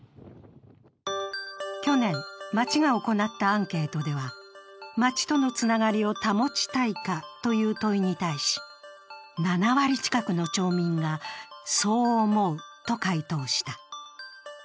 去年、町が行ったアンケートでは、町とのつながりを保ちたいかという問いに対し、７割近くの町民がそう思うと回答した。